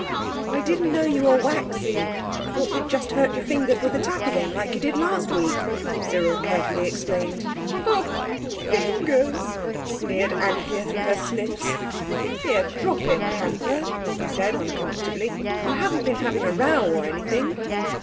"I didn't know you were waxy. I thought you'd just hurt your fingers with the tap again like you did last week," Cyril carefully explained. "Oh—fingers!" sneered Anthea through her sniffs. "Here, drop it, Panther," he said uncomfortably. "You haven't been having a row or anything?"